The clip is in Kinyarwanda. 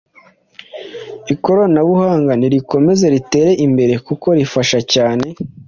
Ikoranabuhanga nirikomeze ritere imbere kuko rifasha cyane